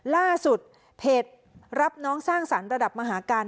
ล่าสุดเพจรับน้องสร้างสรรค์ระดับมหาการ